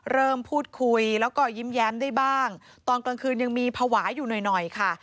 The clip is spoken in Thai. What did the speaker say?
เริ่มพูดคุยแล้วก็ยิ้มแย้มได้บ้างตอนกลางคืนยังมีภาวะอยู่หน่อยหน่อยค่ะ